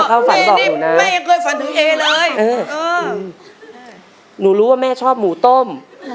ฉันรู้ว่าแม่ชอบหมูต้ม